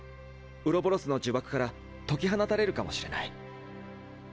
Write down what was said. ウロボロスの呪縛から解き放たれるかもしれない。